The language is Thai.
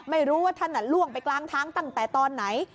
ไม่รู้ว่าท่านล่วงไปกลางทางตั้งแต่ตอนไหน